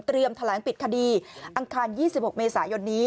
เตรียมทะเล้งปิดคดีอังคาร๒๖เมษายนนี้